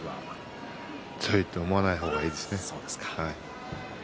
強いと思わない方がいいですね。